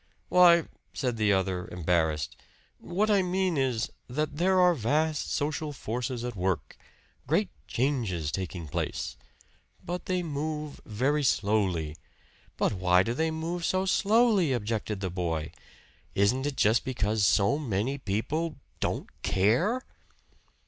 "Why," said the other embarrassed "what I mean is, that there are vast social forces at work great changes taking place. But they move very slowly " "But why do they move so slowly?" objected the boy. "Isn't it just because so many people, don't care?"